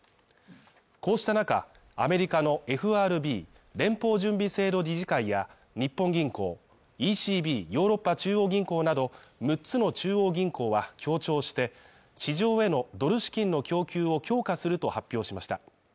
こうした中、アメリカのＦＲＢ＝連邦準備制度理事会や日本銀行、ＥＣＢ＝ヨーロッパ中央銀行など六つの中央銀行は協調して市場へのドル資金の供給を強化すると発表しました。